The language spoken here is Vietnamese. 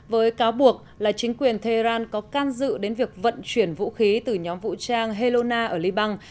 với cáo buộc là chính quyền tehran có can dự đến việc vận chuyển vũ khí từ nhóm vũ trang hellona ở liban